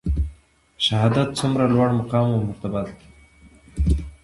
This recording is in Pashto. شهادت څومره لوړ مقام او مرتبه ده؟